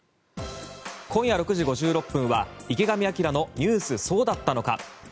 今夜６時５６分は「池上彰のニュースそうだったのか！！」。